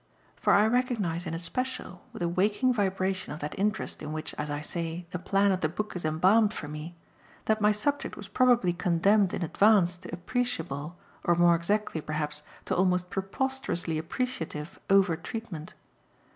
For I recognise in especial, with a waking vibration of that interest in which, as I say, the plan of the book is embalmed for me, that my subject was probably condemned in advance to appreciable, or more exactly perhaps to almost preposterously appreciative, over treatment.